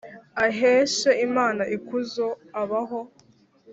aheshe Imana ikuzo abaho